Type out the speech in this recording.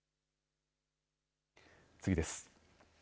次です。